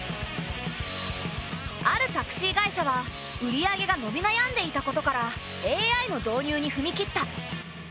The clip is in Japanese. あるタクシー会社は売り上げがのびなやんでいたことからＡＩの導入にふみ切った。